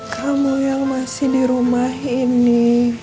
kamu yang masih di rumah ini